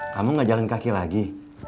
kamu gak jalan kaki lagi